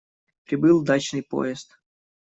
Прибыл дачный поезд.